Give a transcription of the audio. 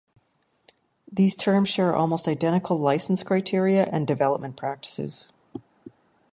These terms share almost identical licence criteria and development practices.